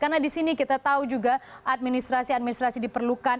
karena disini kita tahu juga administra administrasi diperlukan